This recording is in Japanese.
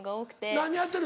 何やってる？